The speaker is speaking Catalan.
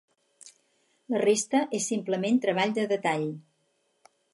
La resta és simplement treball de detall.